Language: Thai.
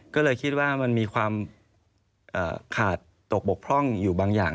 ก็เลยคิดว่ามันมีความขาดตกบกพร่องอยู่บางอย่าง